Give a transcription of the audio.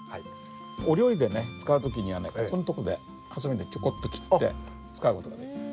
お料理でね使う時にはねここんとこでハサミでチョコッと切って使う事ができます。